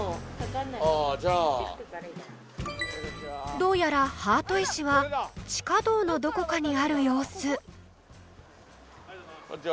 どうやらハート石は地下道のどこかにある様子こんちは。